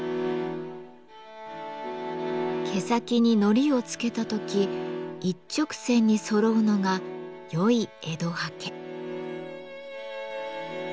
毛先に糊をつけた時一直線にそろうのがよい江戸刷毛。